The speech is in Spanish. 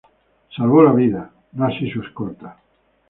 Salvó la vida, no así su escolta.